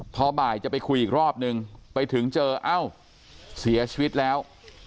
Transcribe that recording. พอบ่ายจะไปคุยอีกรอบนึงไปถึงเจอเอ้าเสียชีวิตแล้ว